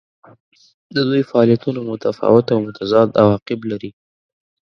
د دوی فعالیتونه متفاوت او متضاد عواقب لري.